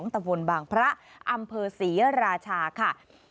ตะบนบางพระอำเภอศรีราชาค่ะ